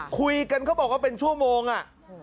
คุยกันก็เป็นชั่วโมงอ่ะ